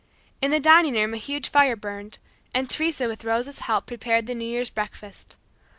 In the dining room a huge fire burned, and Teresa with Rosa's help prepared the New Year's breakfast.